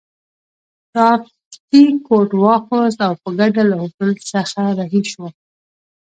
ساقي کوټ واغوست او په ګډه له هوټل څخه رهي شوو.